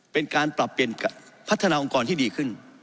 เป็นการปรับเปลี่ยนพัฒนาองค์กรที่ดีขึ้น